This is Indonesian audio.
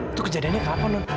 itu kejadiannya ke apa man